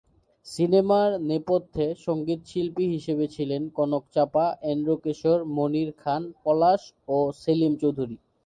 সিনেমায় নেপথ্য সঙ্গীতশিল্পী হিসেবে ছিলেন কনক চাঁপা, এন্ড্রু কিশোর, মনির খান, পলাশ ও সেলিম চৌধুরী।